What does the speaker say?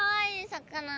魚。